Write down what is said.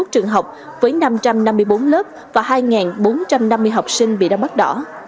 một mươi trường học với năm trăm năm mươi bốn lớp và hai bốn trăm năm mươi học sinh bị đau mắt đỏ